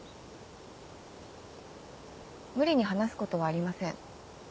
無理に話すことはありません。